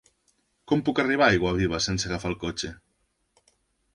Com puc arribar a Aiguaviva sense agafar el cotxe?